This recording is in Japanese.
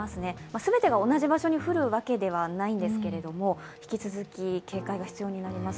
全てが同じ場所に降るわけではないんですけれども引き続き警戒が必要になります。